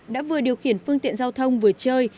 đã vừa điều khiển phương tiện giao thông vừa chơi